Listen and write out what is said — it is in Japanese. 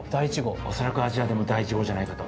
恐らくアジアでも第１号じゃないかと。